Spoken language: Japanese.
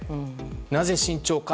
なぜ慎重か。